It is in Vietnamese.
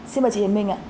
xin mời chị hiền minh ạ